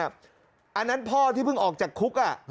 อันนั้นพ่อที่เพิ่งออกจากคุก